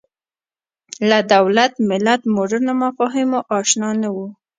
له دولت ملت مډرنو مفاهیمو اشنا نه وو